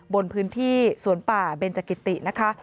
บนพื้นที่สวนป่าเบนจกิตินะคะ